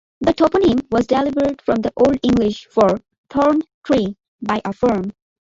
The toponym is derived from the Old English for "thorn tree by a farm".